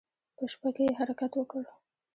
په شپه کې يې حرکت وکړ.